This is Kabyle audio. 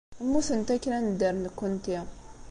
Mmutent akken ad nedder nekkenti.